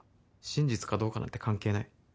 真実かどうかなんて関係ない。